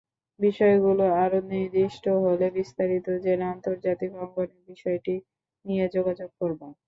বিষয়গুলো আরও নির্দিষ্ট হলে বিস্তারিত জেনে আন্তর্জাতিক অঙ্গনে বিষয়টি নিয়ে যোগাযোগ করব।